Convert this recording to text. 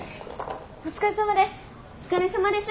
お疲れさまです。